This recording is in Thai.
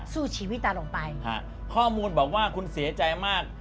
สู้ชีวิตตาลงไปฮะข้อมูลบอกว่าคุณเสียใจมาก